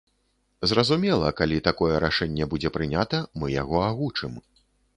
Зразумела, калі такое рашэнне будзе прынята, мы яго агучым.